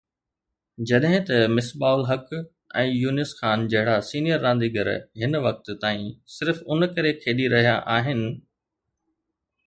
جڏهن ته مصباح الحق ۽ يونس خان جهڙا سينيئر رانديگر هن وقت تائين صرف ان ڪري کيڏي رهيا آهن